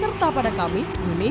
meskipun tiga tim sudah mulai